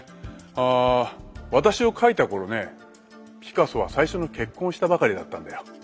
あ私を描いた頃ねピカソは最初の結婚をしたばかりだったんだよ。